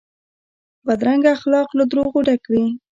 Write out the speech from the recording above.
بدرنګه اخلاق له دروغو ډک وي